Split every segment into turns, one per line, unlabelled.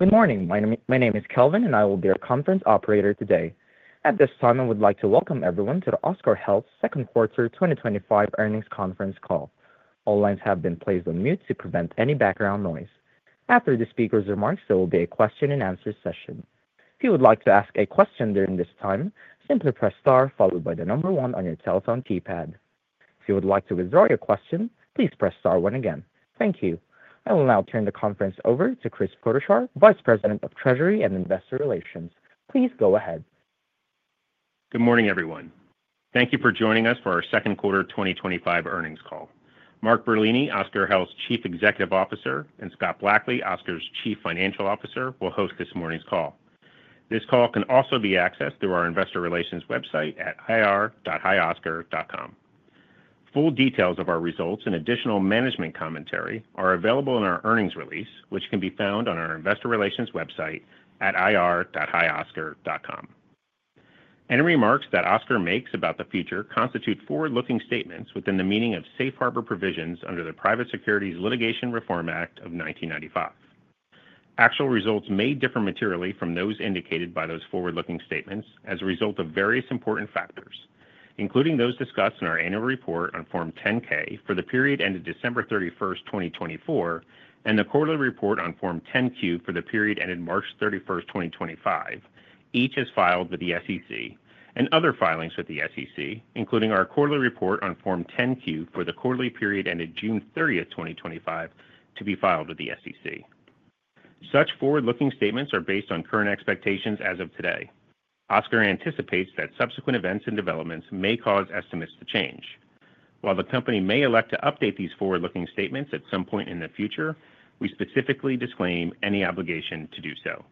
Good morning. My name is Kelvin, and I will be your conference operator today. At this time, I would like to welcome everyone to the Oscar Health Second Quarter 2025 Earnings Conference Call. All lines have been placed on mute to prevent any background noise. After the speaker's remarks, there will be a question and answer session. If you would like to ask a question during this time, simply press Star, followed by the number one on your telephone keypad. If you would like to withdraw your question, please press Star, one again. Thank you. I will now turn the conference over to Chris Potochar, Vice President of Treasury and Investor Relations. Please go ahead.
Good morning, everyone. Thank you for joining us for our Second Quarter 2025 Earnings Call. Mark Bertolini, Oscar Health's Chief Executive Officer, and Scott Blackley, Oscar Health's Chief Financial Officer, will host this morning's call. This call can also be accessed through our Investor Relations website at ir.hioscar.com. Full details of our results and additional management commentary are available in our earnings release, which can be found on our Investor Relations website at ir.hioscar.com. Any remarks that Oscar makes about the future constitute forward-looking statements within the meaning of Safe Harbor provisions under the Private Securities Litigation Reform Act of 1995. Actual results may differ materially from those indicated by those forward-looking statements as a result of various important factors, including those discussed in our annual report on Form 10-K for the period ended December 31st, 2024, and the quarterly report on Form 10-Q for the period ended March 31st, 2025, each as filed with the SEC, and other filings with the SEC, including our quarterly report on Form 10-Q for the quarterly period ended June 30th, 2025, to be filed with the SEC. Such forward-looking statements are based on current expectations as of today. Oscar anticipates that subsequent events and developments may cause estimates to change. While the company may elect to update these forward-looking statements at some point in the future, we specifically disclaim any obligation to do so.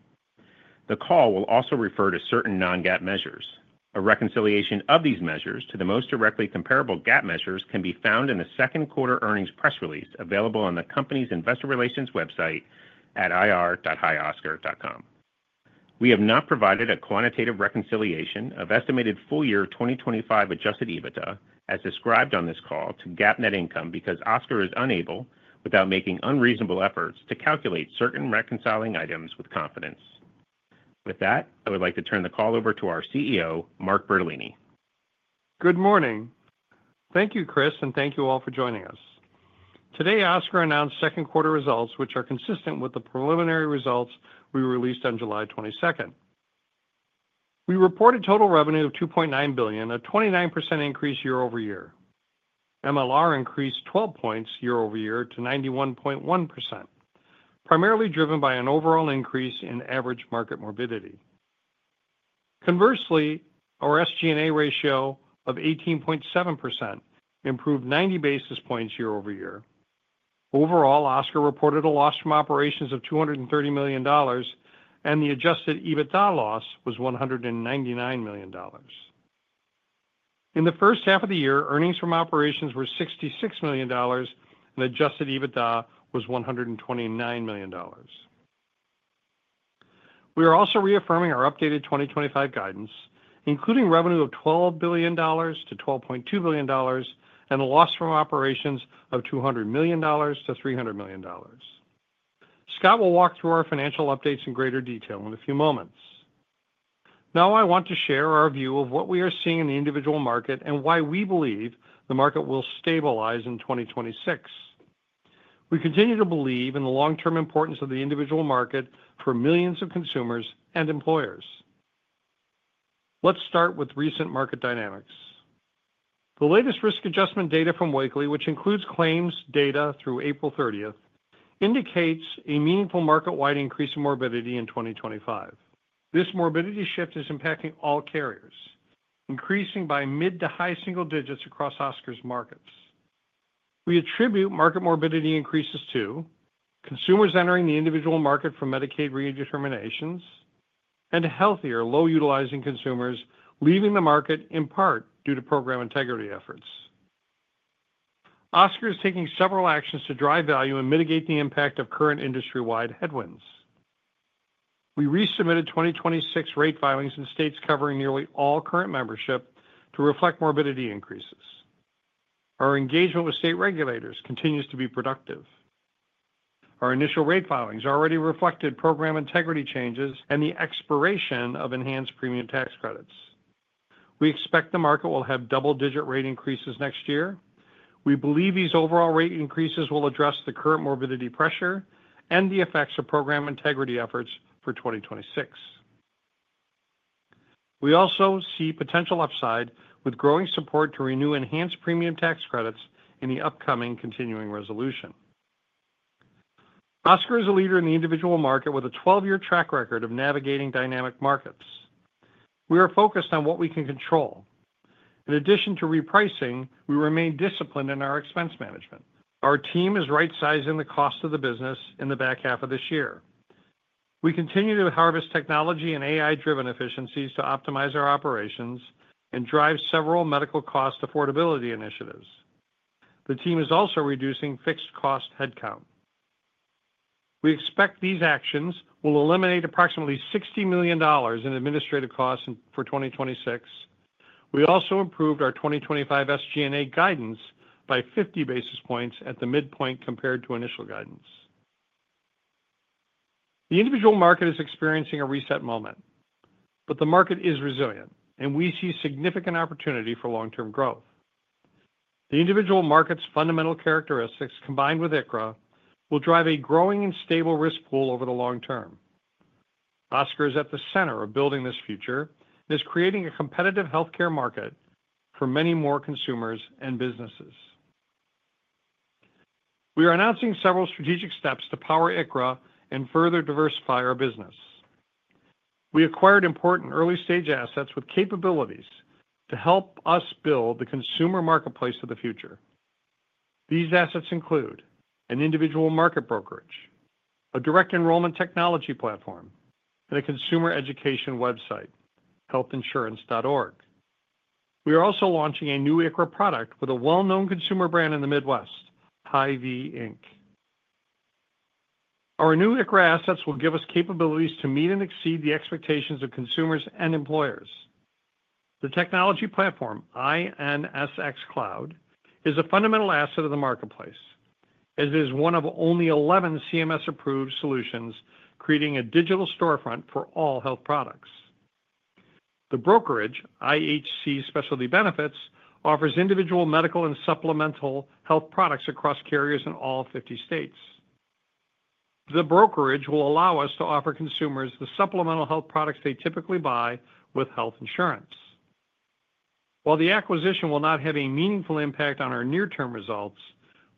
The call will also refer to certain non-GAAP measures. A reconciliation of these measures to the most directly comparable GAAP measures can be found in the second quarter earnings press release available on the company's Investor Relations website at ir.hioscar.com. We have not provided a quantitative reconciliation of estimated full-year 2025 adjusted EBITDA, as described on this call, to GAAP net income because Oscar is unable, without making unreasonable efforts, to calculate certain reconciling items with confidence. With that, I would like to turn the call over to our CEO, Mark Bertolini.
Good morning. Thank you, Chris, and thank you all for joining us. Today, Oscar Health announced second quarter results, which are consistent with the preliminary results we released on July 22nd. We report a total revenue of $2.9 billion, a 29% increase year-over-year. MLR increased 12 points year-over-year to 91.1%, primarily driven by an overall increase in average market morbidity. Conversely, our SG&A ratio of 18.7% improved 90 basis points year-over-year. Overall, Oscar reported a loss from operations of $230 million, and the adjusted EBITDA loss was $199 million. In the first half of the year, earnings from operations were $66 million, and adjusted EBITDA was $129 million. We are also reaffirming our updated 2025 guidance, including revenue of $12 billion-$12.2 billion and a loss from operations of $200 million-$300 million. Scott will walk through our financial updates in greater detail in a few moments. Now, I want to share our view of what we are seeing in the individual market and why we believe the market will stabilize in 2026. We continue to believe in the long-term importance of the individual market for millions of consumers and employers. Let's start with recent market dynamics. The latest risk adjustment data from Wakely, which includes claims data through April 30th, indicates a meaningful market-wide increase in morbidity in 2025. This morbidity shift is impacting all carriers, increasing by mid to high single digits across Oscar's markets. We attribute market morbidity increases to consumers entering the individual market for Medicaid redeterminations and healthier, low-utilizing consumers leaving the market in part due to program integrity efforts. Oscar is taking several actions to drive value and mitigate the impact of current industry-wide headwinds. We resubmitted 2026 rate filings in states covering nearly all current membership to reflect morbidity increases. Our engagement with state regulators continues to be productive. Our initial rate filings already reflected program integrity changes and the expiration of enhanced premium tax credits. We expect the market will have double-digit rate increases next year. We believe these overall rate increases will address the current morbidity pressure and the effects of program integrity efforts for 2026. We also see potential upside with growing support to renew enhanced premium tax credits in the upcoming continuing resolution. Oscar is a leader in the individual market with a 12-year track record of navigating dynamic markets. We are focused on what we can control. In addition to repricing, we remain disciplined in our expense management. Our team is right-sizing the cost of the business in the back half of this year. We continue to harvest technology and AI-driven efficiencies to optimize our operations and drive several medical cost affordability initiatives. The team is also reducing fixed cost headcount. We expect these actions will eliminate approximately $60 million in administrative costs for 2026. We also improved our 2025 SG&A guidance by 50 basis points at the midpoint compared to initial guidance. The individual market is experiencing a reset moment, but the market is resilient, and we see significant opportunity for long-term growth. The individual market's fundamental characteristics, combined with ICRA, will drive a growing and stable risk pool over the long term. Oscar is at the center of building this future and is creating a competitive healthcare market for many more consumers and businesses. We are announcing several strategic steps to power ICRA and further diversify our business. We acquired important early-stage assets with capabilities to help us build the consumer marketplace of the future. These assets include an individual market brokerage, a direct enrollment technology platform, and a consumer education website, healthinsurance.org. We are also launching a new ICRA product with a well-known consumer brand in the Midwest, Hy-Vee, Inc. Our new ICRA assets will give us capabilities to meet and exceed the expectations of consumers and employers. The technology platform, INSXCloud, is a fundamental asset of the marketplace, as it is one of only 11 CMS-approved solutions, creating a digital storefront for all health products. The brokerage, IHC Specialty Benefits, offers individual medical and supplemental health products across carriers in all 50 states. The brokerage will allow us to offer consumers the supplemental health products they typically buy with health insurance. While the acquisition will not have a meaningful impact on our near-term results,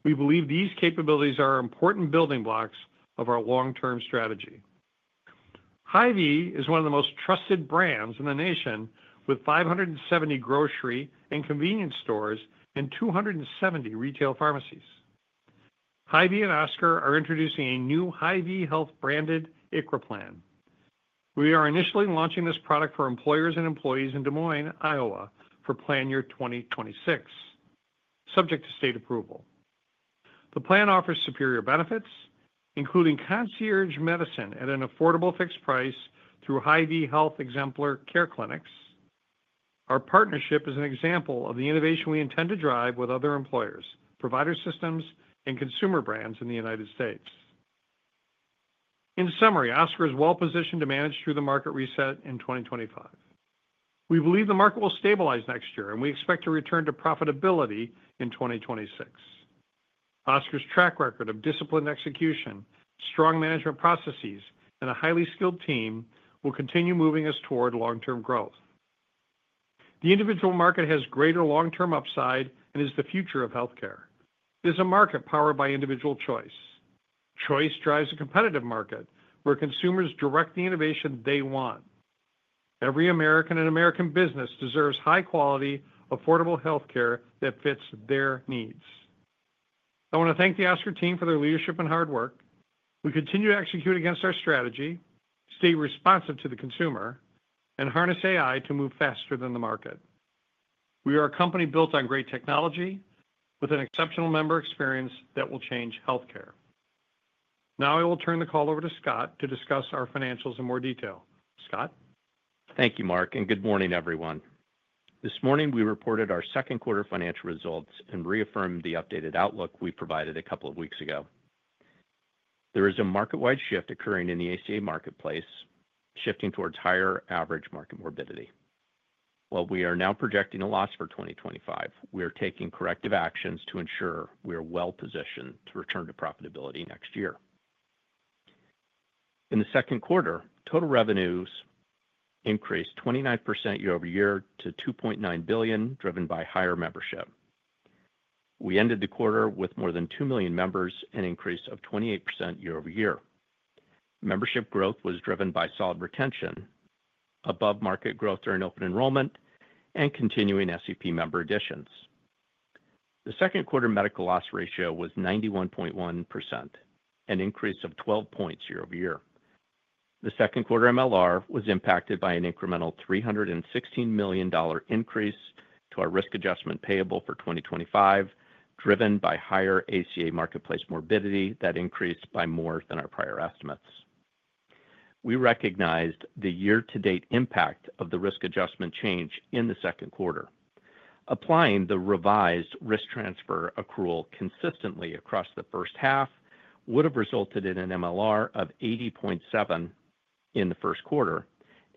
we believe these capabilities are important building blocks of our long-term strategy. Hy-Vee is one of the most trusted brands in the nation, with 570 grocery and convenience stores and 270 retail pharmacies. Hy-Vee and Oscar are introducing a new Hy-Vee Health branded ICRA plan. We are initially launching this product for employers and employees in Des Moines, Iowa, for plan year 2026, subject to state approval. The plan offers superior benefits, including concierge medicine at an affordable fixed price through Hy-Vee Health exemplar care clinics. Our partnership is an example of the innovation we intend to drive with other employers, provider systems, and consumer brands in the United States. In summary, Oscar is well-positioned to manage through the market reset in 2025. We believe the market will stabilize next year, and we expect to return to profitability in 2026. Oscar's track record of disciplined execution, strong management processes, and a highly skilled team will continue moving us toward long-term growth. The individual market has greater long-term upside and is the future of healthcare. It is a market powered by individual choice. Choice drives a competitive market where consumers direct the innovation they want. Every American and American business deserves high-quality, affordable healthcare that fits their needs. I want to thank the Oscar team for their leadership and hard work. We continue to execute against our strategy, stay responsive to the consumer, and harness AI to move faster than the market. We are a company built on great technology with an exceptional member experience that will change healthcare. Now I will turn the call over to Scott to discuss our financials in more detail. Scott?
Thank you, Mark, and good morning, everyone. This morning, we reported our second quarter financial results and reaffirmed the updated outlook we provided a couple of weeks ago. There is a market-wide shift occurring in the ACA marketplace, shifting towards higher average market morbidity. While we are now projecting a loss for 2025, we are taking corrective actions to ensure we are well-positioned to return to profitability next year. In the second quarter, total revenues increased 29% year-over-year to $2.9 billion, driven by higher membership. We ended the quarter with more than 2 million members, an increase of 28% year-over-year. Membership growth was driven by solid retention, above market growth during open enrollment, and continuing SEP member additions. The second quarter medical loss ratio was 91.1%, an increase of 12 points year-over-year. The second quarter MLR was impacted by an incremental $316 million increase to our risk adjustment payable for 2025, driven by higher ACA marketplace morbidity that increased by more than our prior estimates. We recognized the year-to-date impact of the risk adjustment change in the second quarter. Applying the revised risk transfer accrual consistently across the first half would have resulted in an MLR of 80.7% in the first quarter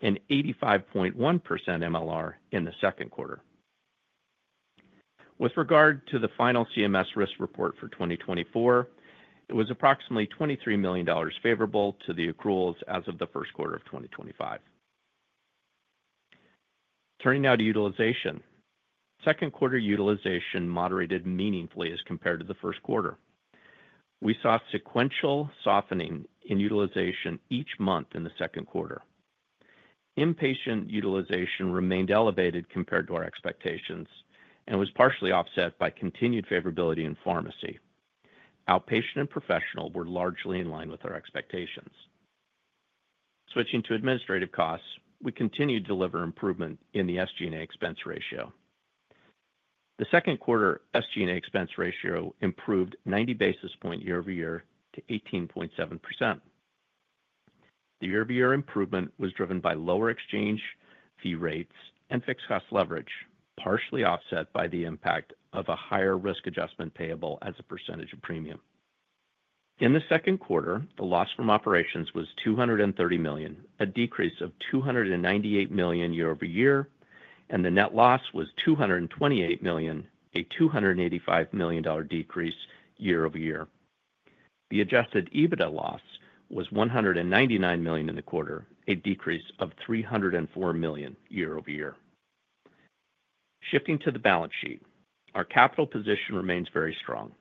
and 85.1% MLR in the second quarter. With regard to the final CMS risk report for 2024, it was approximately $23 million favorable to the accruals as of the first quarter of 2025. Turning now to utilization, second quarter utilization moderated meaningfully as compared to the first quarter. We saw sequential softening in utilization each month in the second quarter. Inpatient utilization remained elevated compared to our expectations and was partially offset by continued favorability in pharmacy. Outpatient and professional were largely in line with our expectations. Switching to administrative costs, we continue to deliver improvement in the SG&A expense ratio. The second quarter SG&A expense ratio improved 90 basis points year-over-year to 18.7%. The year-over-year improvement was driven by lower exchange fee rates and fixed cost leverage, partially offset by the impact of a higher risk adjustment payable as a percentage of premium. In the second quarter, the loss from operations was $230 million, a decrease of $298 million year-over-year, and the net loss was $228 million, a $285 million decrease year-over-year. The adjusted EBITDA loss was $199 million in the quarter, a decrease of $304 million year-over-year. Shifting to the balance sheet, our capital position remains very strong.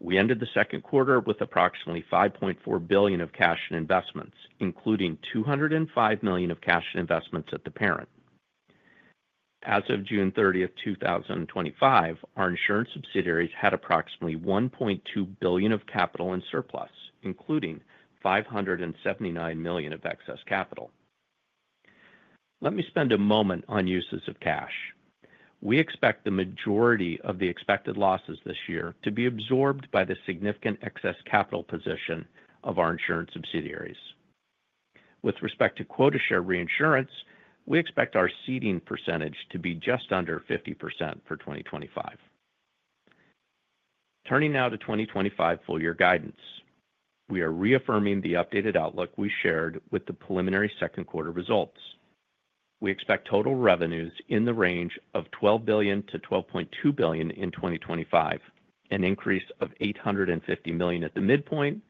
We ended the second quarter with approximately $5.4 billion of cash in investments, including $205 million of cash in investments at the parent. As of June 30th, 2025, our insurance subsidiaries had approximately $1.2 billion of capital in surplus, including $579 million of excess capital. Let me spend a moment on uses of cash. We expect the majority of the expected losses this year to be absorbed by the significant excess capital position of our insurance subsidiaries. With respect to quota share reinsurance, we expect our seeding percentage to be just under 50% for 2025. Turning now to 2025 full-year guidance, we are reaffirming the updated outlook we shared with the preliminary second quarter results. We expect total revenues in the range of $12 billion-$12.2 billion in 2025, an increase of $850 million at the midpoint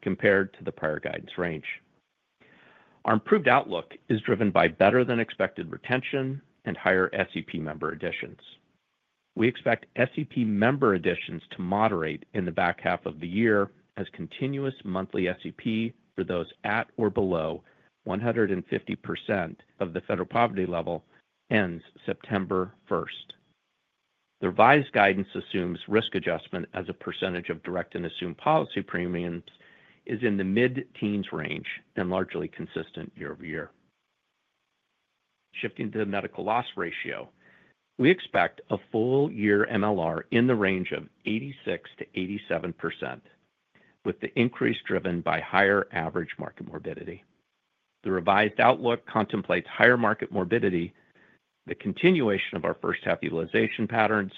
compared to the prior guidance range. Our improved outlook is driven by better-than-expected retention and higher SEP member additions. We expect SEP member additions to moderate in the back half of the year as continuous monthly SEP for those at or below 150% of the federal poverty level ends September 1st. The revised guidance assumes risk adjustment as a percentage of direct and assumed policy premiums is in the mid-teens range and largely consistent year over year. Shifting to the medical loss ratio, we expect a full-year MLR in the range of 86%-87%, with the increase driven by higher average market morbidity. The revised outlook contemplates higher market morbidity, the continuation of our first half utilization patterns,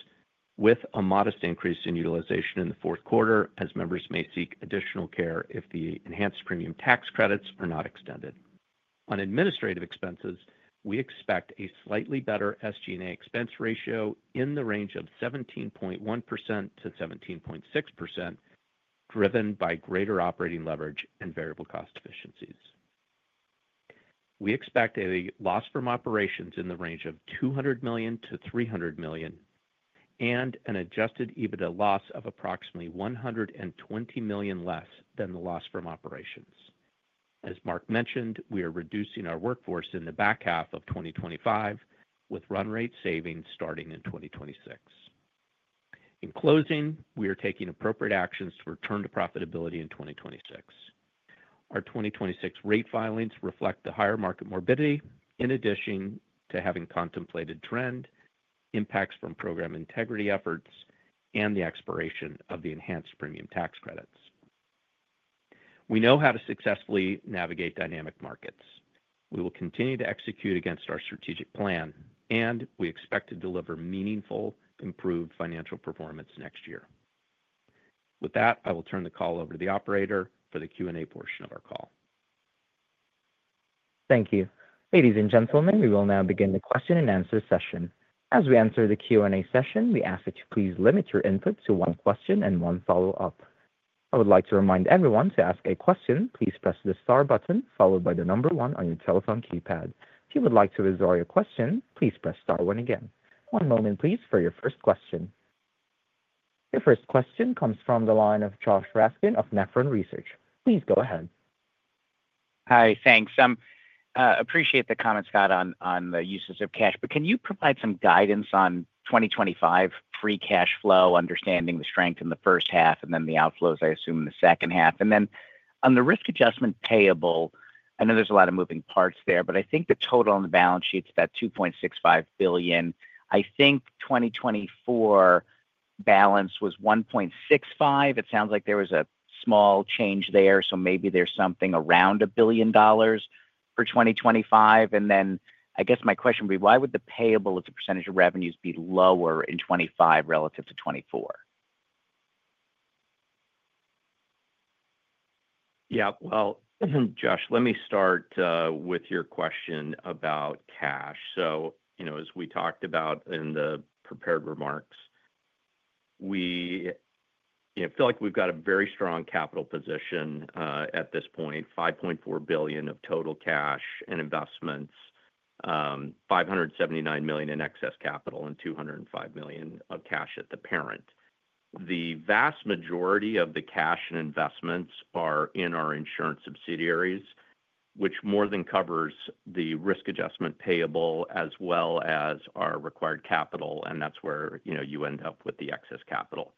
with a modest increase in utilization in the fourth quarter as members may seek additional care if the enhanced premium tax credits are not extended. On administrative expenses, we expect a slightly better SG&A expense ratio in the range of 17.1%-17.6%, driven by greater operating leverage and variable cost efficiencies. We expect a loss from operations in the range of $200 million to $300 million and an adjusted EBITDA loss of approximately $120 million less than the loss from operations. As Mark mentioned, we are reducing our workforce in the back half of 2025 with run rate savings starting in 2026. In closing, we are taking appropriate actions to return to profitability in 2026. Our 2026 rate filings reflect the higher market morbidity in addition to having contemplated trend impacts from program integrity efforts and the expiration of the enhanced premium tax credits. We know how to successfully navigate dynamic markets. We will continue to execute against our strategic plan, and we expect to deliver meaningful, improved financial performance next year. With that, I will turn the call over to the operator for the Q&A portion of our call.
Thank you. Ladies and gentlemen, we will now begin the question-and-answer session. As we enter the Q&A session, we ask that you please limit your input to one question and one follow-up. I would like to remind everyone to ask a question, please press the star button followed by the number one on your telephone keypad. If you would like to withdraw your question, please press Star, one again. One moment, please, for your first question. Your first question comes from the line of Josh Raskin of Nephron Research. Please go ahead.
Hi, thanks. I appreciate the comments, Scott, on the uses of cash, but can you provide some guidance on 2025 free cash flow, understanding the strength in the first half and then the outflows, I assume, in the second half? On the risk adjustment payable, I know there's a lot of moving parts there, but I think the total on the balance sheet's about $2.65 billion. I think 2024 balance was $1.65 billion. It sounds like there was a small change there, so maybe there's something around $1 billion for 2025. My question would be, why would the payable as a percentage of revenues be lower in 2025 relative to 2024?
Yeah, Josh, let me start with your question about cash. As we talked about in the prepared remarks, we feel like we've got a very strong capital position at this point, $5.4 billion of total cash and investments, $579 million in excess capital, and $205 million of cash at the parent. The vast majority of the cash and investments are in our insurance subsidiaries, which more than covers the risk adjustment payable as well as our required capital, and that's where you end up with the excess capital.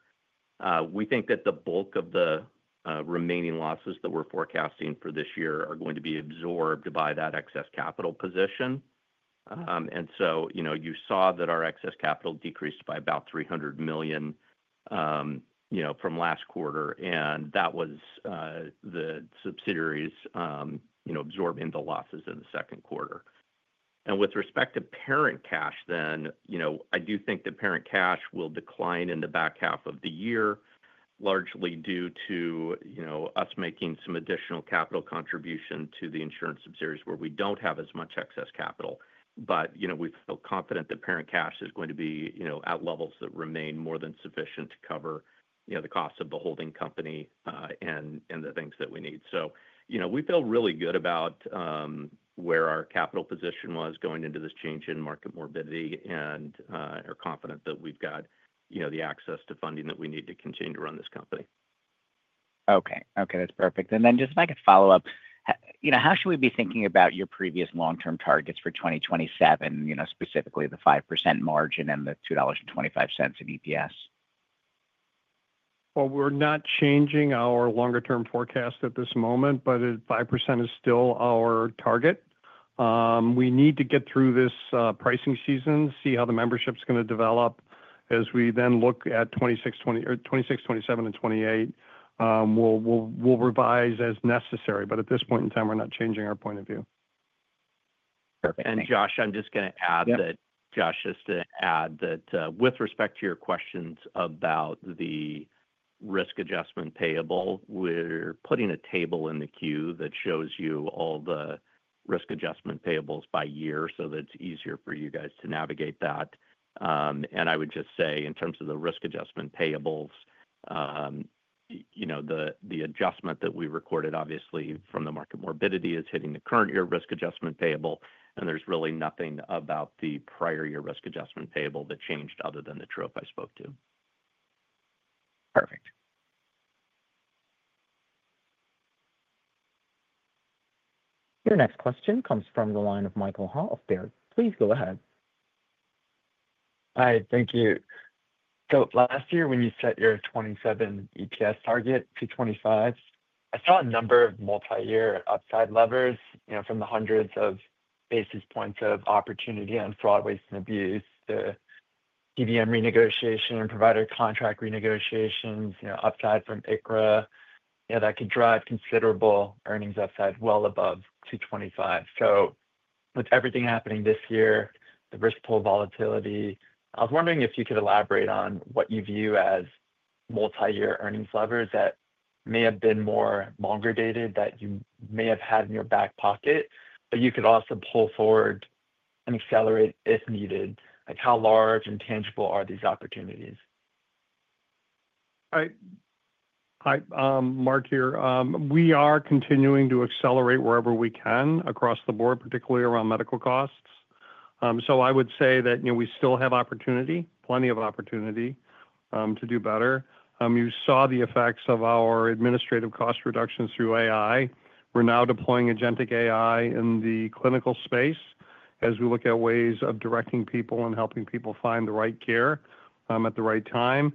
We think that the bulk of the remaining losses that we're forecasting for this year are going to be absorbed by that excess capital position. You saw that our excess capital decreased by about $300 million from last quarter, and that was the subsidiaries absorbing the losses in the second quarter. With respect to parent cash, I do think the parent cash will decline in the back half of the year, largely due to us making some additional capital contribution to the insurance subsidiaries where we don't have as much excess capital. We feel confident the parent cash is going to be at levels that remain more than sufficient to cover the costs of the holding company and the things that we need. We feel really good about where our capital position was going into this change in market morbidity, and we're confident that we've got the access to funding that we need to continue to run this company.
Okay, that's perfect. If I could follow up, how should we be thinking about your previous long-term targets for 2027, specifically the 5% margin and the $2.25 in EPS?
We're not changing our longer-term forecast at this moment, but 5% is still our target. We need to get through this pricing season, see how the membership's going to develop. As we then look at 2026, 2027, and 2028, we'll revise as necessary. At this point in time, we're not changing our point of view.
Perfect. Josh, I'm just going to add that, Josh, just to add that with respect to your questions about the risk adjustment payable, we're putting a table in the queue that shows you all the risk adjustment payables by year so that it's easier for you guys to navigate that. I would just say in terms of the risk adjustment payables, you know, the adjustment that we recorded obviously from the market morbidity is hitting the current year risk adjustment payable, and there's really nothing about the prior year risk adjustment payable that changed other than the trope I spoke to.
Perfect. Your next question comes from the line of Michael Ha of Baird. Please go ahead.
Hi, thank you. Last year, when you set your 2027 EPS target to $25, I saw a number of multi-year upside levers, from the hundreds of basis points of opportunity on fraud, waste, and abuse, the PBM renegotiation, provider contract renegotiations, upside from ICRA, that could drive considerable earnings upside well above $225. With everything happening this year, the risk pool volatility, I was wondering if you could elaborate on what you view as multi-year earnings levers that may have been more longer dated that you may have had in your back pocket, but you could also pull forward and accelerate if needed. How large and tangible are these opportunities?
Hi, Mark here. We are continuing to accelerate wherever we can across the board, particularly around medical costs. I would say that, you know, we still have opportunity, plenty of opportunity to do better. You saw the effects of our administrative cost reductions through AI. We're now deploying Agentic AI in the clinical space as we look at ways of directing people and helping people find the right care at the right time.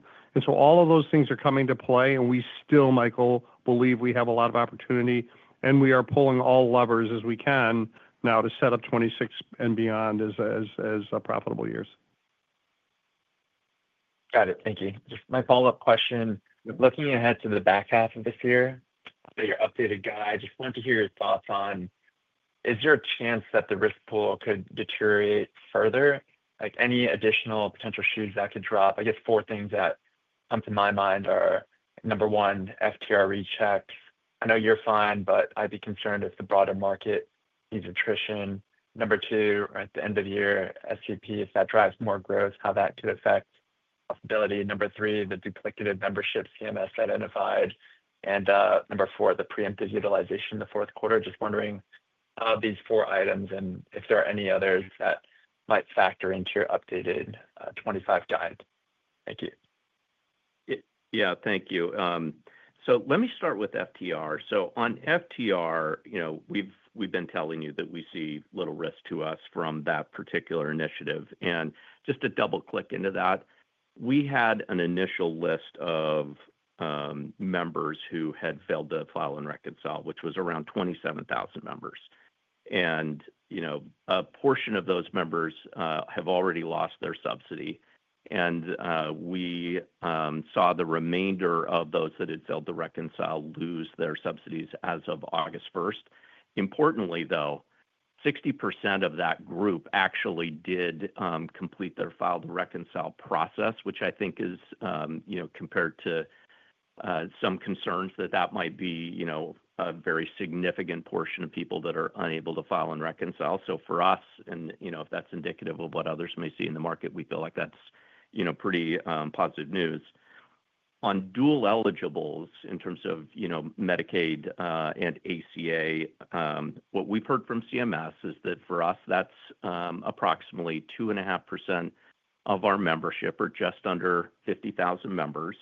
All of those things are coming to play, and we still, Michael, believe we have a lot of opportunity, and we are pulling all levers as we can now to set up 2026 and beyond as profitable years.
Got it. Thank you. Just my follow-up question, looking ahead to the back half of this year, your updated guide, I just wanted to hear your thoughts on, is there a chance that the risk pool could deteriorate further? Like any additional potential shoes that could drop? I guess four things that come to my mind are, number one, FTR rechecks. I know you're fine, but I'd be concerned if the broader market needs attrition. Number two, at the end of the year, SEP, if that drives more growth, how that could affect stability. Number three, the duplicated membership CMS identified. Number four, the preemptive utilization in the fourth quarter. Just wondering of these four items and if there are any others that might factor into your updated 2025 guide. Thank you.
Yeah, thank you. Let me start with FTR. On FTR, we've been telling you that we see little risk to us from that particular initiative. To double-click into that, we had an initial list of members who had failed to file and reconcile, which was around 27,000 members. A portion of those members have already lost their subsidy. We saw the remainder of those that had failed to reconcile lose their subsidies as of August 1st. Importantly, 60% of that group actually did complete their file to reconcile process, which I think is, compared to some concerns that that might be a very significant portion of people that are unable to file and reconcile. For us, if that's indicative of what others may see in the market, we feel like that's pretty positive news. On dual eligibles in terms of Medicaid and ACA, what we've heard from CMS is that for us, that's approximately 2.5% of our membership or just under 50,000 members.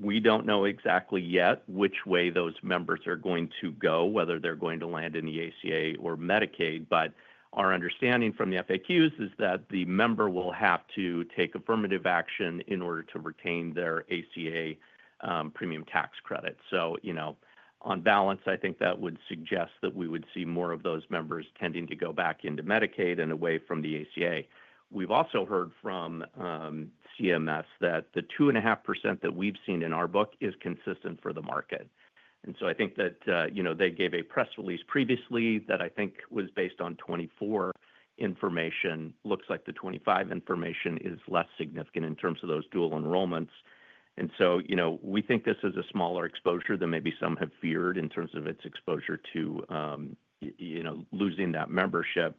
We don't know exactly yet which way those members are going to go, whether they're going to land in the ACA or Medicaid, but our understanding from the FAQs is that the member will have to take affirmative action in order to retain their ACA premium tax credit. On balance, I think that would suggest that we would see more of those members tending to go back into Medicaid and away from the ACA. We've also heard from CMS that the 2.5% that we've seen in our book is consistent for the market. I think that they gave a press release previously that I think was based on 2024 information. It looks like the 2025 information is less significant in terms of those dual enrollments. We think this is a smaller exposure than maybe some have feared in terms of its exposure to losing that membership.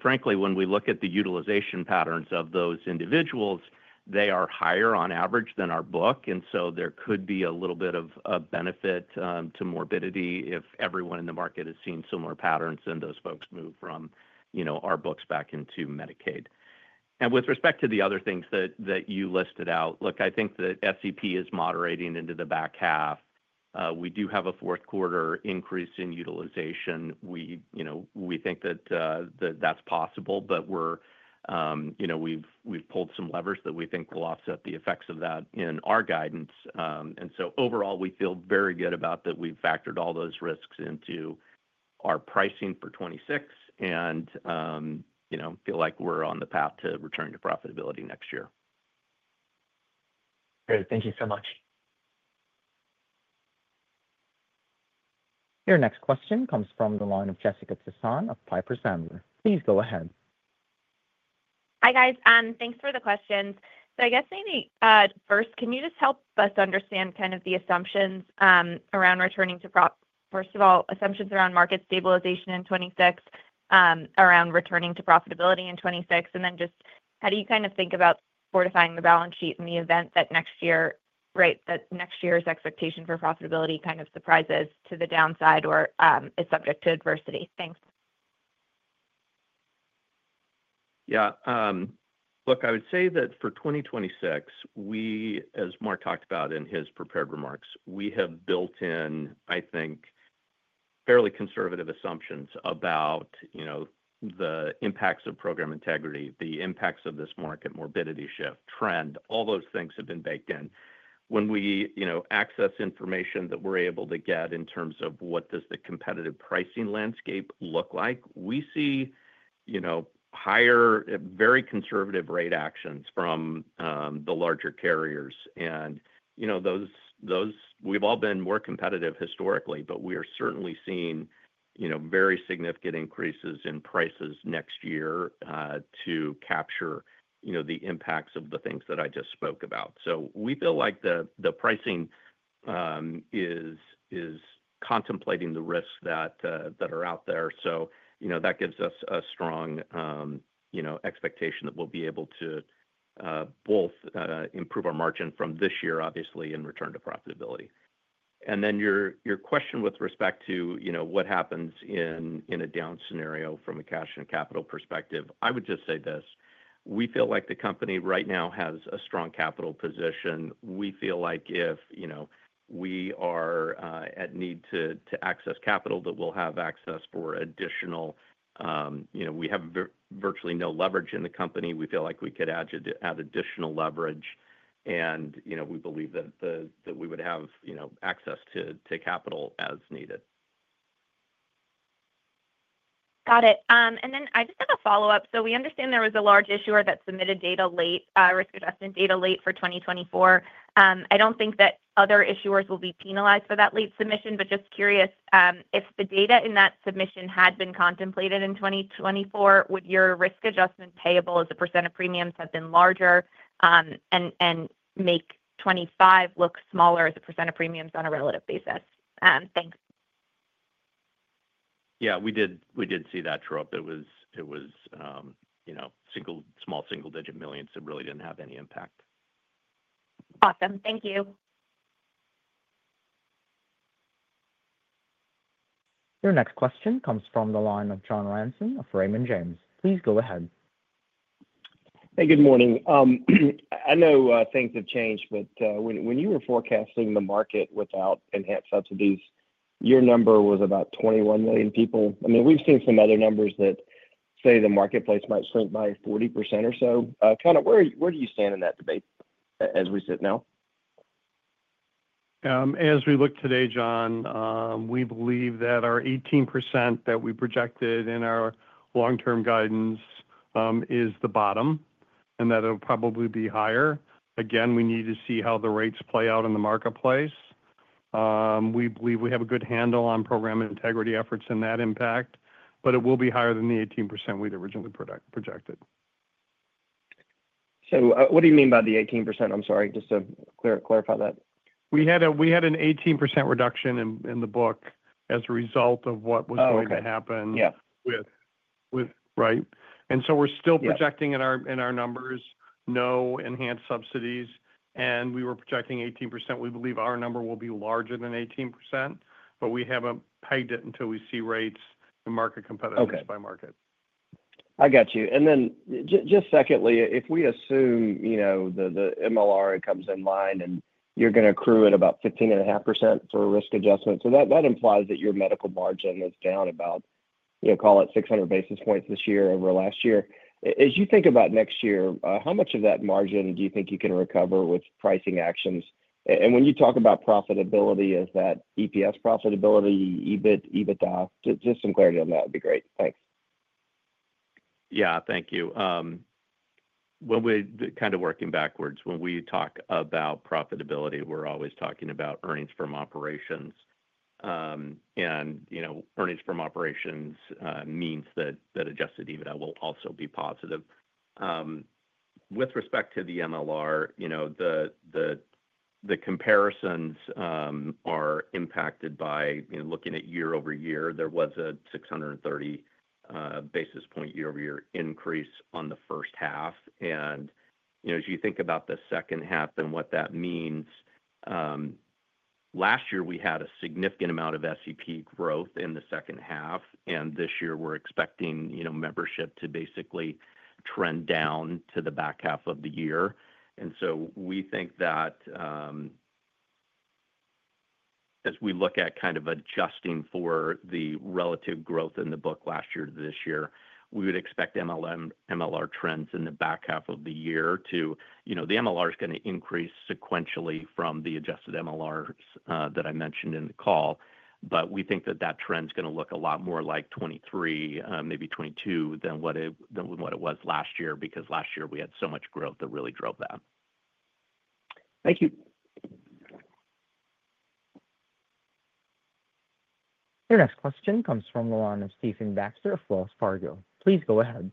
Frankly, when we look at the utilization patterns of those individuals, they are higher on average than our book. There could be a little bit of a benefit to morbidity if everyone in the market is seeing similar patterns and those folks move from our books back into Medicaid. With respect to the other things that you listed out, I think that SEP is moderating into the back half. We do have a fourth quarter increase in utilization. We think that that's possible, but we've pulled some levers that we think will offset the effects of that in our guidance. Overall, we feel very good about that we've factored all those risks into our pricing for 2026 and feel like we're on the path to return to profitability next year.
Great. Thank you so much. Your next question comes from the line of Jessica Tassan of Piper Sandler. Please go ahead.
Hi guys, thanks for the question. I guess maybe first, can you just help us understand kind of the assumptions around returning to, first of all, assumptions around market stabilization in 2026, around returning to profitability in 2026, and then just how do you kind of think about fortifying the balance sheet in the event that next year, right, that next year's expectation for profitability kind of surprises to the downside or is subject to adversity? Thanks.
Yeah, look, I would say that for 2026, we, as Mark talked about in his prepared remarks, have built in, I think, fairly conservative assumptions about the impacts of program integrity, the impacts of this market morbidity shift trend. All those things have been baked in. When we access information that we're able to get in terms of what does the competitive pricing landscape look like, we see higher, very conservative rate actions from the larger carriers. We've all been more competitive historically, but we are certainly seeing very significant increases in prices next year to capture the impacts of the things that I just spoke about. We feel like the pricing is contemplating the risks that are out there. That gives us a strong expectation that we'll be able to both improve our margin from this year, obviously, and return to profitability. Your question with respect to what happens in a down scenario from a cash and capital perspective, I would just say this. We feel like the company right now has a strong capital position. We feel like if we need to access capital, that we'll have access for additional, you know, we have virtually no leverage in the company. We feel like we could add additional leverage. We believe that we would have access to capital as needed.
Got it. I just have a follow-up. We understand there was a large issuer that submitted risk adjustment data late for 2024. I don't think that other issuers will be penalized for that late submission, but just curious, if the data in that submission had been contemplated in 2024, would your risk adjustment payable as a percentage of premiums have been larger and make 2025 look smaller as a percent of premiums on a relative basis? Thanks.
Yeah, we did see that drop. It was single small single-digit millions that really didn't have any impact.
Awesome. Thank you.
Your next question comes from the line of John Ransom of Raymond James. Please go ahead.
Hey, good morning. I know things have changed, but when you were forecasting the market without enhanced subsidies, your number was about 21 million people. I mean, we've seen some other numbers that say the marketplace might shrink by 40% or so. Where do you stand in that debate as we sit now?
As we look today, John, we believe that our 18% that we projected in our long-term guidance is the bottom and that it'll probably be higher. Again, we need to see how the rates play out in the marketplace. We believe we have a good handle on program integrity efforts and that impact, but it will be higher than the 18% we'd originally projected.
What do you mean by the 18%? I'm sorry, just to clarify that.
We had an 18% reduction in the book as a result of what was going to happen with, right? We're still projecting in our numbers no enhanced subsidies, and we were projecting 18%. We believe our number will be larger than 18%, but we haven't pegged it until we see rates and market competitiveness by market.
I got you. Just secondly, if we assume the MLR comes in line and you're going to accrue at about 15.5% for risk adjustment, that implies that your medical margin is down about, call it, 600 basis points this year over last year. As you think about next year, how much of that margin do you think you can recover with pricing actions? When you talk about profitability, is that EPS profitability, EBIT, EBITDA? Just some clarity on that would be great. Thanks.
Yeah, thank you. When we're kind of working backwards, when we talk about profitability, we're always talking about earnings from operations. Earnings from operations means that adjusted EBITDA will also be positive. With respect to the MLR, the comparisons are impacted by looking at year over year. There was a 630 basis point year-over-year increase on the first half. As you think about the second half and what that means, last year we had a significant amount of SEP growth in the second half, and this year we're expecting membership to basically trend down to the back half of the year. We think that as we look at kind of adjusting for the relative growth in the book last year to this year, we would expect MLR trends in the back half of the year to, you know, the MLR is going to increase sequentially from the adjusted MLRs that I mentioned in the call. We think that that trend is going to look a lot more like 2023, maybe 2022, than what it was last year because last year we had so much growth that really drove that.
Thank you.
Your next question comes from the line of Stephen Baxter of Wells Fargo. Please go ahead.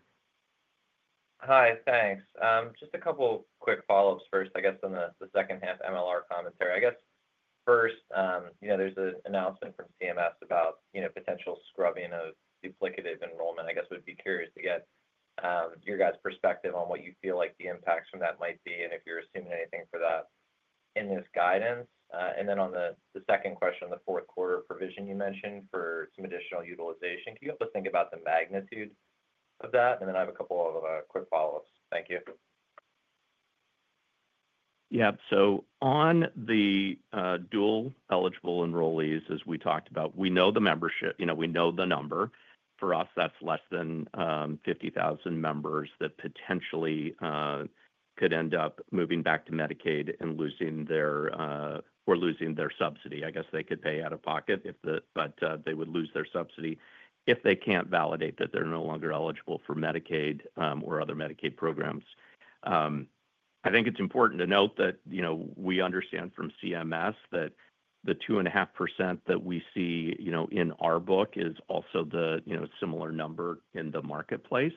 Hi, thanks. Just a couple quick follow-ups. First, I guess, on the second half MLR commentary. There's an announcement from CMS about potential scrubbing of duplicative enrollment. I would be curious to get your guys' perspective on what you feel like the impacts from that might be and if you're assuming anything for that in this guidance. On the second question, the fourth quarter provision you mentioned for some additional utilization, can you help us think about the magnitude of that? I have a couple of other quick follow-ups. Thank you.
Yeah, so on the dual eligible enrollees, as we talked about, we know the membership, we know the number. For us, that's less than 50,000 members that potentially could end up moving back to Medicaid and losing their, or losing their subsidy. I guess they could pay out of pocket if the, but they would lose their subsidy if they can't validate that they're no longer eligible for Medicaid or other Medicaid programs. I think it's important to note that we understand from CMS that the 2.5% that we see in our book is also the similar number in the marketplace.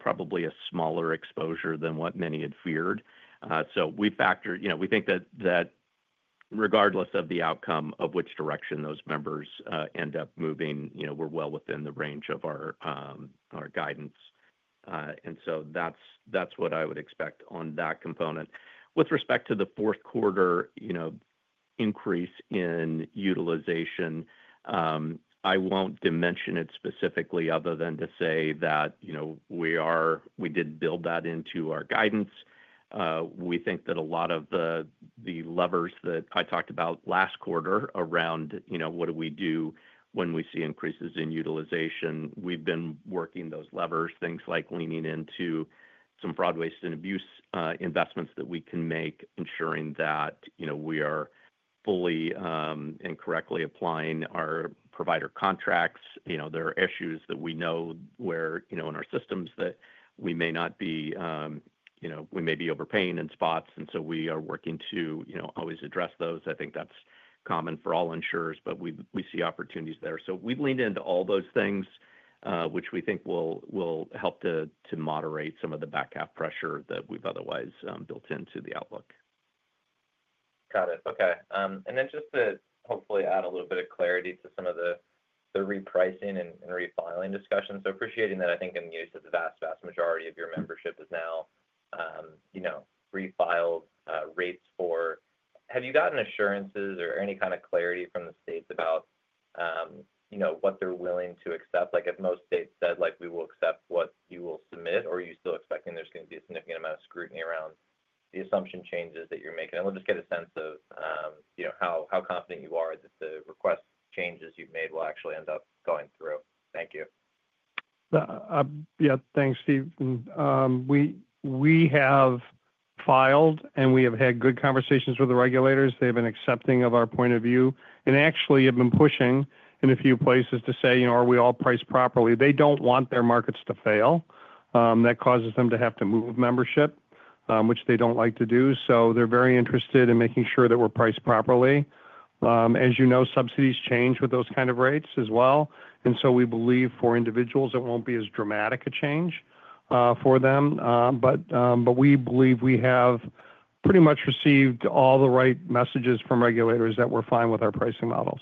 Probably a smaller exposure than what many had feared. We factor, we think that regardless of the outcome of which direction those members end up moving, we're well within the range of our guidance. That's what I would expect on that component. With respect to the fourth quarter increase in utilization, I won't dimension it specifically other than to say that we did build that into our guidance. We think that a lot of the levers that I talked about last quarter around what do we do when we see increases in utilization, we've been working those levers, things like leaning into some fraud, waste, and abuse investments that we can make, ensuring that we are fully and correctly applying our provider contracts. There are issues that we know where, in our systems, we may be overpaying in spots. We are working to always address those. I think that's common for all insurers, but we see opportunities there. We've leaned into all those things, which we think will help to moderate some of the back half pressure that we've otherwise built into the outlook.
Got it. Okay. Just to hopefully add a little bit of clarity to some of the repricing and refiling discussions. Appreciating that I think in the news that the vast, vast majority of your membership is now, you know, refiled rates for, have you gotten assurances or any kind of clarity from the states about, you know, what they're willing to accept? If most states said like we will accept what you will submit, or are you still expecting there's going to be a significant amount of scrutiny around the assumption changes that you're making? We'll just get a sense of, you know, how confident you are that the request changes you've made will actually end up going through. Thank you.
Yeah, thanks, Steve. We have filed and we have had good conversations with the regulators. They've been accepting of our point of view and actually have been pushing in a few places to say, you know, are we all priced properly? They don't want their markets to fail. That causes them to have to move membership, which they don't like to do. They are very interested in making sure that we're priced properly. As you know, subsidies change with those kinds of rates as well. We believe for individuals it won't be as dramatic a change for them. We believe we have pretty much received all the right messages from regulators that we're fine with our pricing models.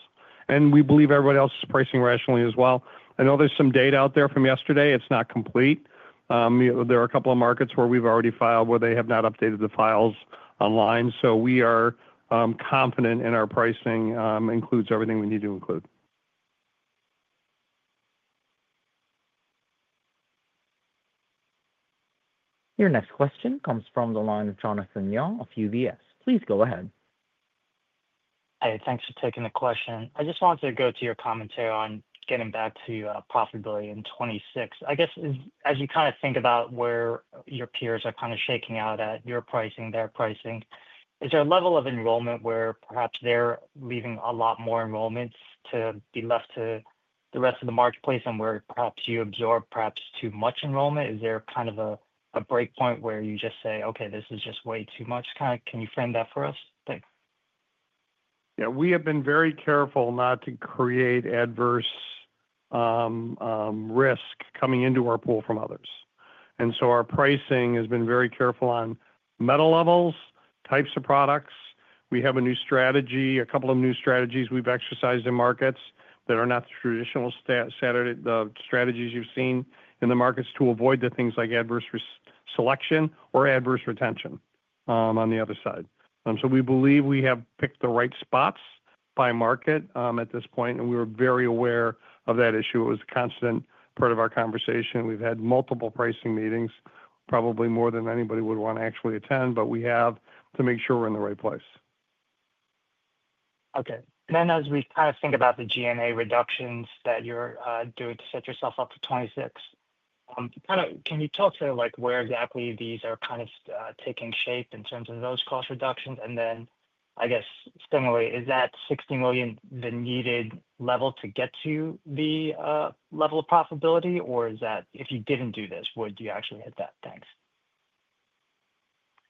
We believe everybody else is pricing rationally as well. I know there's some data out there from yesterday. It's not complete. There are a couple of markets where we've already filed where they have not updated the files online. We are confident in our pricing includes everything we need to include.
Your next question comes from the line of Jonathan Yong of UBS. Please go ahead.
Hey, thanks for taking the question. I just wanted to go to your commentary on getting back to profitability in 2026. I guess as you kind of think about where your peers are kind of shaking out at your pricing, their pricing, is there a level of enrollment where perhaps they're leaving a lot more enrollments to be left to the rest of the marketplace and where perhaps you absorb perhaps too much enrollment? Is there kind of a break point where you just say, okay, this is just way too much? Can you frame that for us?
Yeah, we have been very careful not to create adverse risk coming into our pool from others. Our pricing has been very careful on metal levels, types of products. We have a new strategy, a couple of new strategies we've exercised in markets that are not the traditional strategies you've seen in the markets to avoid things like adverse selection or adverse retention on the other side. We believe we have picked the right spots by market at this point, and we were very aware of that issue. It was a constant part of our conversation. We've had multiple pricing meetings, probably more than anybody would want to actually attend, but we have to make sure we're in the right place.
Okay. As we kind of think about the G&A reductions that you're doing to set yourself up for 2026, can you talk to where exactly these are taking shape in terms of those cost reductions? I guess similarly, is that $60 million the needed level to get to the level of profitability, or if you didn't do this, would you actually hit that? Thanks.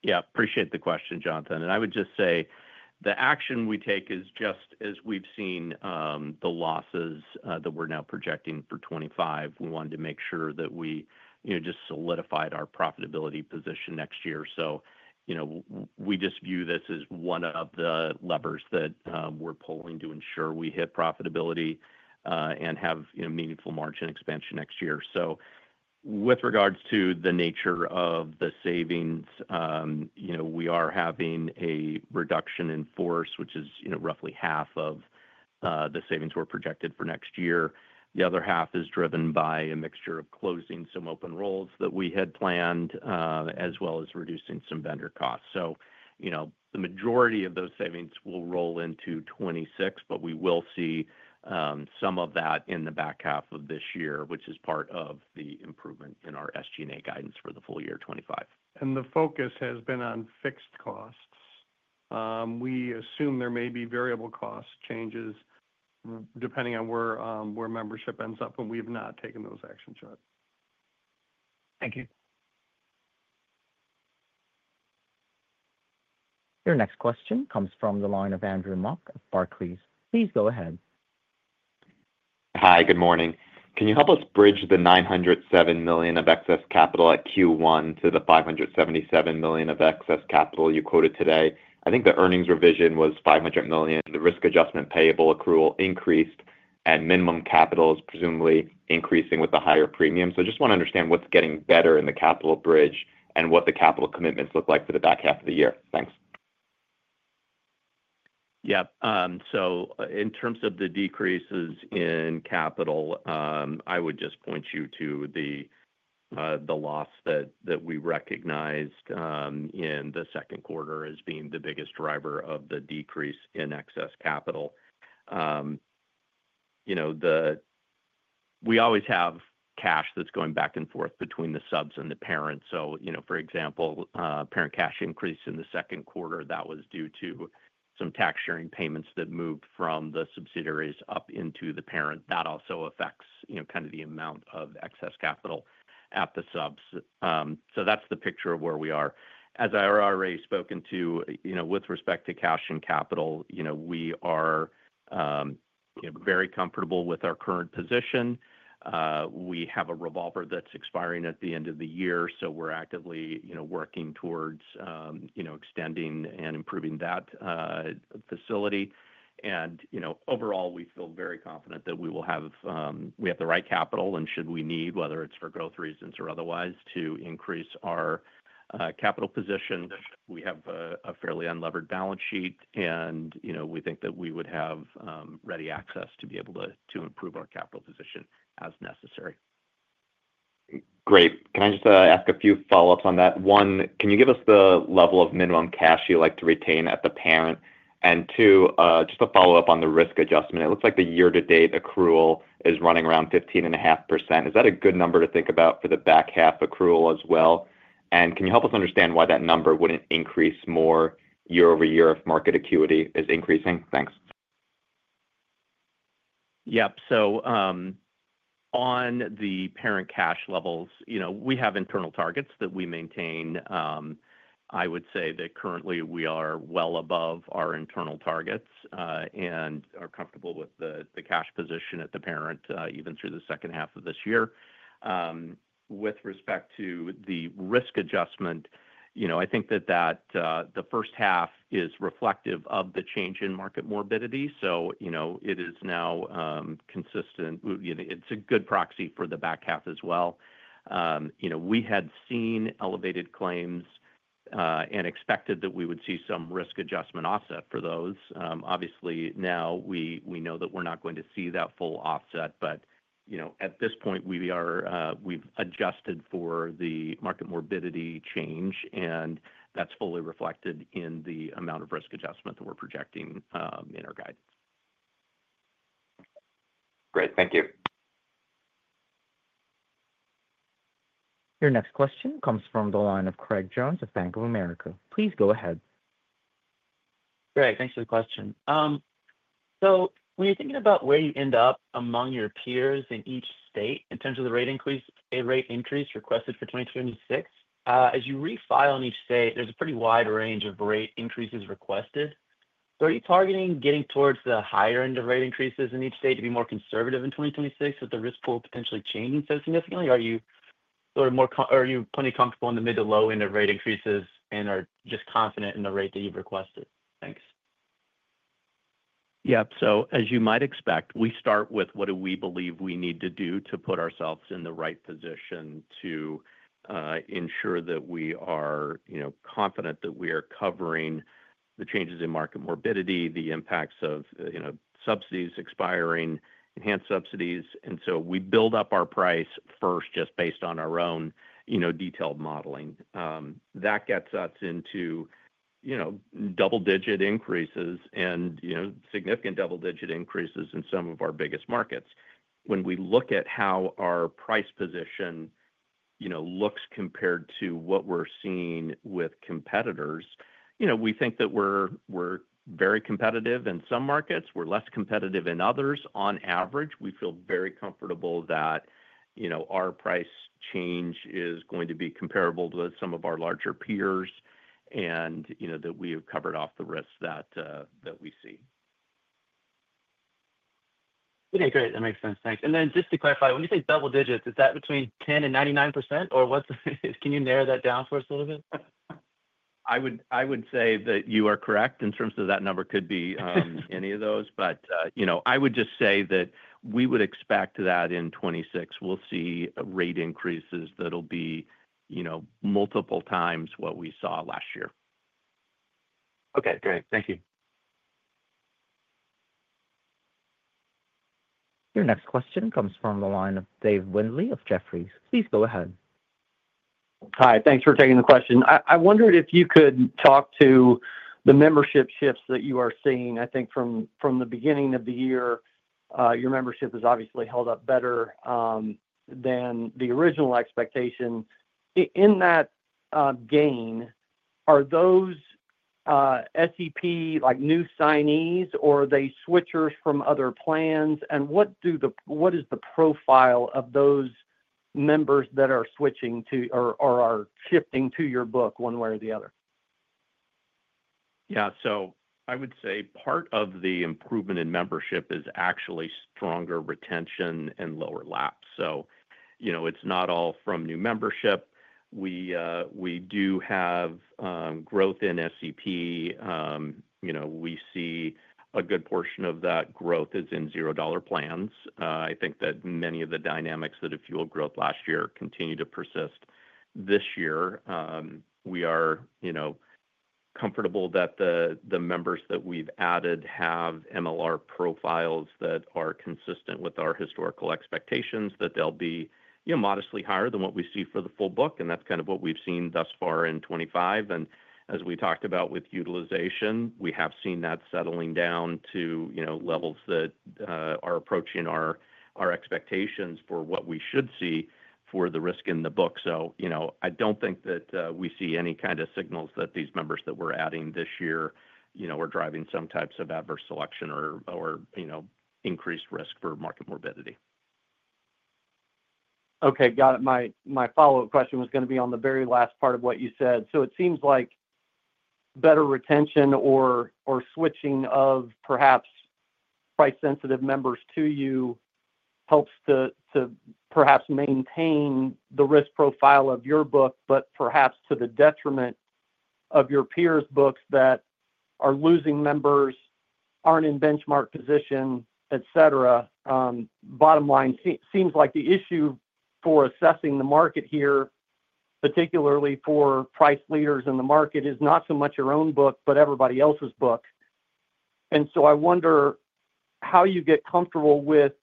Yeah, appreciate the question, Jonathan. I would just say the action we take is just as we've seen the losses that we're now projecting for 2025. We wanted to make sure that we, you know, just solidified our profitability position next year. We just view this as one of the levers that we're pulling to ensure we hit profitability and have, you know, meaningful margin expansion next year. With regards to the nature of the savings, we are having a reduction in force, which is, you know, roughly half of the savings we're projected for next year. The other half is driven by a mixture of closing some open roles that we had planned, as well as reducing some vendor costs. The majority of those savings will roll into 2026, but we will see some of that in the back half of this year, which is part of the improvement in our SG&A guidance for the full year 2025.
The focus has been on fixed costs. We assume there may be variable cost changes depending on where membership ends up, and we have not taken those actions yet.
Thank you.
Your next question comes from the line of Andrew Mok of Barclays. Please go ahead.
Hi, good morning. Can you help us bridge the $907 million of excess capital at Q1 to the $577 million of excess capital you quoted today? I think the earnings revision was $500 million. The risk adjustment payable accrual increased, and minimum capital is presumably increasing with a higher premium. I just want to understand what's getting better in the capital bridge and what the capital commitments look like for the back half of the year. Thanks.
Yep. In terms of the decreases in capital, I would just point you to the loss that we recognized in the second quarter as being the biggest driver of the decrease in excess capital. We always have cash that's going back and forth between the subs and the parent. For example, parent cash increased in the second quarter due to some tax sharing payments that moved from the subsidiaries up into the parent. That also affects the amount of excess capital at the subs. That's the picture of where we are. As I already spoken to with respect to cash and capital, we are very comfortable with our current position. We have a revolver that's expiring at the end of the year. We're actively working towards extending and improving that facility. Overall, we feel very confident that we will have, we have the right capital, and should we need, whether it's for growth reasons or otherwise, to increase our capital position, we have a fairly unlevered balance sheet, and we think that we would have ready access to be able to improve our capital position as necessary.
Great. Can I just ask a few follow-ups on that? One, can you give us the level of minimum cash you like to retain at the parent? Two, just a follow-up on the risk adjustment. It looks like the year-to-date accrual is running around 15.5%. Is that a good number to think about for the back half accrual as well? Can you help us understand why that number wouldn't increase more year over year if market acuity is increasing? Thanks.
Yep. On the parent cash levels, we have internal targets that we maintain. I would say that currently we are well above our internal targets and are comfortable with the cash position at the parent even through the second half of this year. With respect to the risk adjustment, I think that the first half is reflective of the change in market morbidity. It is now consistent. It's a good proxy for the back half as well. We had seen elevated claims and expected that we would see some risk adjustment offset for those. Obviously, now we know that we're not going to see that full offset, but at this point, we've adjusted for the market morbidity change, and that's fully reflected in the amount of risk adjustment that we're projecting in our guidance.
Great. Thank you.
Your next question comes from the line of Craig Jones of Bank of America. Please go ahead.
Great. Thanks for the question. When you're thinking about where you end up among your peers in each state in terms of the rate increase requested for 2026, as you refile in each state, there's a pretty wide range of rate increases requested. Are you targeting getting towards the higher end of rate increases in each state to be more conservative in 2026 with the risk pool potentially changing so significantly? Are you more, are you plenty comfortable in the mid to low end of rate increases and are just confident in the rate that you've requested? Thanks.
As you might expect, we start with what do we believe we need to do to put ourselves in the right position to ensure that we are confident that we are covering the changes in market morbidity, the impacts of subsidies expiring, enhanced subsidies. We build up our price first just based on our own detailed modeling. That gets us into double-digit increases and significant double-digit increases in some of our biggest markets. When we look at how our price position looks compared to what we're seeing with competitors, we think that we're very competitive in some markets. We're less competitive in others. On average, we feel very comfortable that our price change is going to be comparable to some of our larger peers and that we have covered off the risks that we've seen.
Okay, great. That makes sense. Thanks. Just to clarify, when you say double digits, is that between 10% and 99% or what? Can you narrow that down for us a little bit?
I would say that you are correct in terms of that number could be any of those, but I would just say that we would expect that in 2026, we'll see rate increases that'll be multiple times what we saw last year.
Okay, great. Thank you.
Your next question comes from the line of David Windley of Jefferies. Please go ahead.
Hi, thanks for taking the question. I wondered if you could talk to the membership shifts that you are seeing. I think from the beginning of the year, your membership has obviously held up better than the original expectation. In that gain, are those SEP like new signees or are they switchers from other plans? What is the profile of those members that are switching to or are shifting to your book one way or the other?
I would say part of the improvement in membership is actually stronger retention and lower lapse. It's not all from new membership. We do have growth in SEP. We see a good portion of that growth is in $0 plans. I think that many of the dynamics that have fueled growth last year continue to persist this year. We are comfortable that the members that we've added have MLR profiles that are consistent with our historical expectations, that they'll be modestly higher than what we see for the full book. That's kind of what we've seen thus far in 2025. As we talked about with utilization, we have seen that settling down to levels that are approaching our expectations for what we should see for the risk in the book. I don't think that we see any kind of signals that these members that we're adding this year are driving some types of adverse selection or increased risk for market morbidity.
Okay, got it. My follow-up question was going to be on the very last part of what you said. It seems like better retention or switching of perhaps price-sensitive members to you helps to perhaps maintain the risk profile of your book, but perhaps to the detriment of your peers' books that are losing members, aren't in benchmark position, etc. The bottom line seems like the issue for assessing the market here, particularly for price leaders in the market, is not so much your own book, but everybody else's book. I wonder how you get comfortable with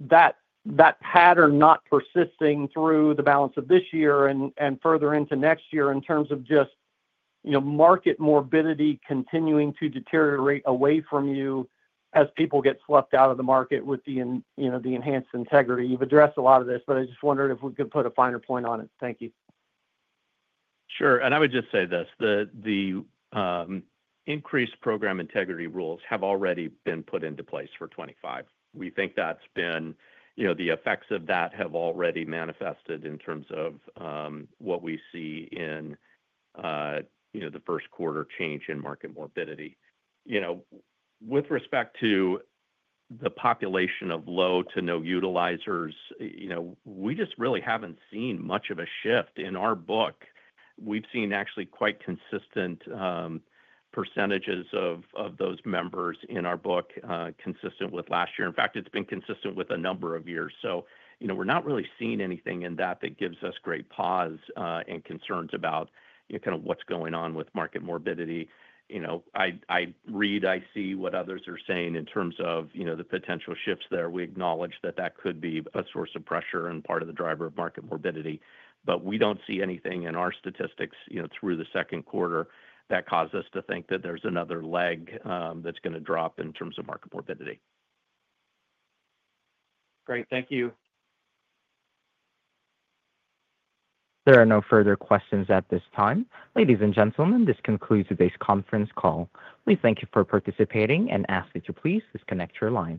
that pattern not persisting through the balance of this year and further into next year in terms of just, you know, market morbidity continuing to deteriorate away from you as people get swept out of the market with the, you know, the enhanced integrity. You've addressed a lot of this, but I just wondered if we could put a finer point on it. Thank you.
Sure. I would just say this, the increased program integrity rules have already been put into place for 2025. We think that's been, you know, the effects of that have already manifested in terms of what we see in, you know, the first quarter change in market morbidity. With respect to the population of low to no utilizers, we just really haven't seen much of a shift in our book. We've seen actually quite consistent percentages of those members in our book consistent with last year. In fact, it's been consistent with a number of years. We're not really seeing anything in that that gives us great pause and concerns about, you know, kind of what's going on with market morbidity. I read, I see what others are saying in terms of, you know, the potential shifts there. We acknowledge that that could be a source of pressure and part of the driver of market morbidity. We don't see anything in our statistics, you know, through the second quarter that causes us to think that there's another leg that's going to drop in terms of market morbidity.
Great. Thank you.
There are no further questions at this time. Ladies and gentlemen, this concludes today's conference call. We thank you for participating and ask that you please disconnect your line.